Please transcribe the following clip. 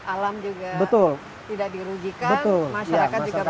alam juga tidak dirugikan